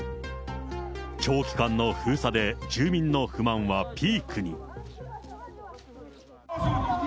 長期間の封鎖で住民の不満はピークに。